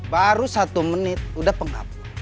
baru satu menit udah pengapu